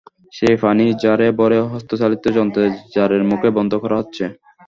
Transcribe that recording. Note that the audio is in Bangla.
সেই পানি জারে ভরে হস্তচালিত যন্ত্রে জারের মুখ বন্ধ করা হচ্ছে।